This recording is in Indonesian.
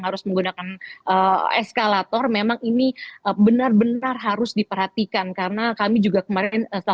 harus menggunakan eskalator memang ini benar benar harus diperhatikan karena kami juga kemarin